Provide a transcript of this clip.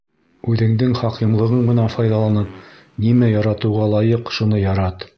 Үҙеңдең хакимлығың менән файҙаланып, нимә яратыуға лайыҡ, шуны ярат.